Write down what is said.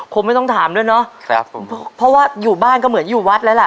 คงไม่ต้องถามด้วยเนาะครับผมเพราะว่าอยู่บ้านก็เหมือนอยู่วัดแล้วล่ะ